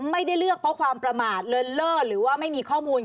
ไม่ได้เลือกเพราะความประมาทเลินเล่อหรือว่าไม่มีข้อมูล